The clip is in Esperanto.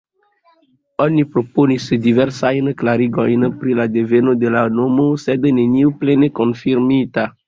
Oni proponis diversajn klarigojn pri la deveno de la nomo, sed neniu plene konfirmita.